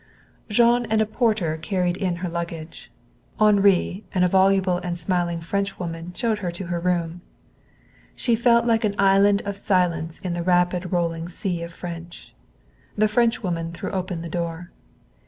Jean and a porter carried in her luggage. Henri and a voluble and smiling Frenchwoman showed her to her room. She felt like an island of silence in a rapid rolling sea of French. The Frenchwoman threw open the door.